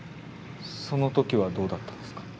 その時はどうだったんですか？